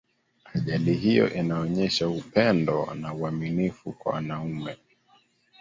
ajali hiyo inaonyesha upendo na uaminifu kwa mwanaume